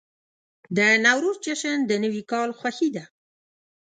د نوروز جشن د نوي کال خوښي ده.